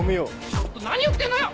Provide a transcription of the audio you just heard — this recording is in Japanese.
ちょっと何言ってんのよ！？